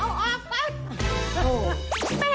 เอาแม่นด้วยเอาเปล่า